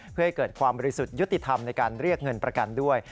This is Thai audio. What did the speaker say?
เพื่อให้เกิดความบริสุทธิ์ยุติธรรมในการเรียกเงินประกันด้วย